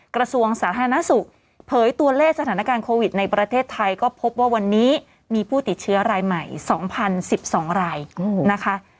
กระทรวงสาธารณสุขเผยตัวเลขสถานการณ์โควิดในประเทศไทยก็พบว่าวันนี้มีผู้ติดเชื้อรายใหม่๒๐๑๒รายนะคะ